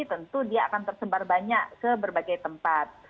tentu dia akan tersebar banyak ke berbagai tempat